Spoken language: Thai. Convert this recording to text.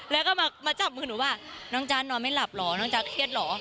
แล้วก็มาจับมือหนูว่าน้องจ๊ะนอนไม่หลับเหรอน้องจ๊ะเครียดเหรอ